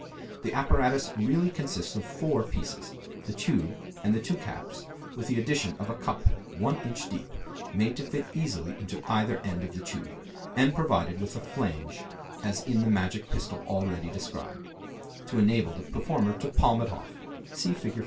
The apparatus really consists of four pieces, the tube and the two caps, with the addition of a cup, 1 in. deep, made to fit easily into either end of the tube, and provided with a flange as in the magic pistol already described, to enable the performer to palm it off (see Fig.